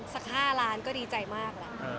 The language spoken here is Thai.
สัก๕ล้านก็ดีใจมากล่ะ